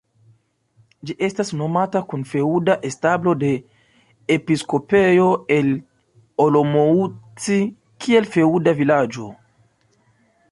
Ĝi estas nomata kun feŭda establo de episkopejo el Olomouc kiel feŭda vilaĝo.